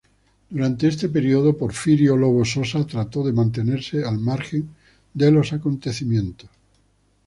Durante este periodo, Porfirio Lobo Sosa trató de mantenerse al margen de los acontecimientos.